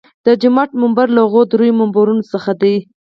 د جومات منبر له هغو درېیو منبرونو څخه دی.